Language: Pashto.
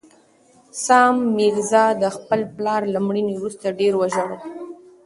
سام میرزا د خپل پلار له مړینې وروسته ډېر وژړل.